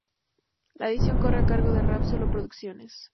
La edición corre a cargo de Rap Solo producciones.